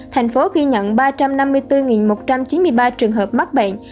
thành phố ghi nhận ba trăm năm mươi bốn một trăm chín mươi ba trường hợp mắc bệnh